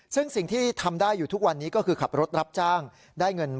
ซึ่งสิ่งที่ทำได้อยู่ทุกวันนี้ก็คือขับรถรับจ้างได้เงิน